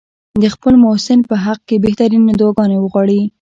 د خپل محسن په حق کې بهترینې دعاګانې وغواړي.